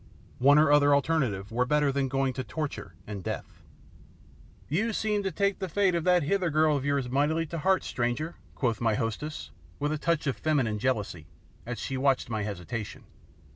One or other alternative were better than going to torture and death. "You seem to take the fate of that Hither girl of yours mightily to heart, stranger," quoth my hostess, with a touch of feminine jealousy, as she watched my hesitation.